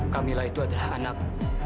kamilah itu adalah anak